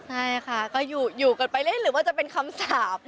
ใช่ค่ะก็อยู่กันไปเล่นหรือว่าจะเป็นคำสาป